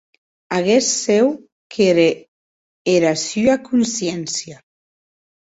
Aguest cèu qu’ère era sua consciéncia.